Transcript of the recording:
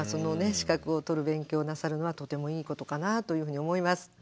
資格を取る勉強をなさるのはとてもいいことかなというふうに思います。